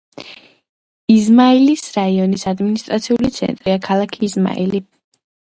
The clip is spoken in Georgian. იზმაილის რაიონის ადმინისტრაციული ცენტრია ქალაქი იზმაილი.